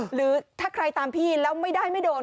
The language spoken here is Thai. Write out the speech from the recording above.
หรือถ้าใครตามพี่แล้วไม่ได้ไม่โดน